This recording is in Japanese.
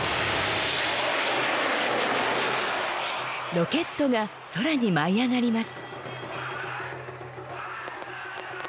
ロケットが空に舞い上がります。